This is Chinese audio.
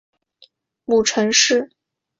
母程氏。